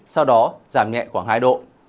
sau đó giảm nhẹ khoảng hai độ